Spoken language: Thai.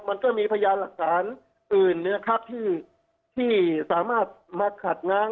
มันก็มีพยานหลักฐานอื่นนะครับที่สามารถมาขัดง้าง